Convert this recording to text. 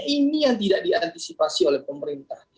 ini yang tidak diantisipasi oleh pemerintah